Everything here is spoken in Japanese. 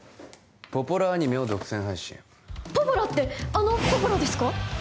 ポポラアニメを独占配信ポポラってあのポポラですか？